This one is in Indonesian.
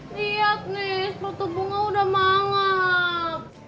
lihat nih tutup bunga udah mangap